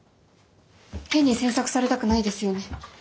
変に詮索されたくないですよね。